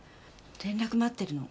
連絡待ってるの。